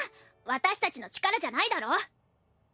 私たちの力じゃないだろ。